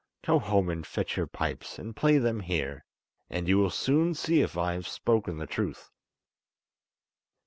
Go home and fetch your pipes, and play them here, and you will soon see if I have spoken the truth."